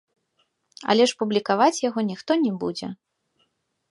Але ж публікаваць яго ніхто не будзе.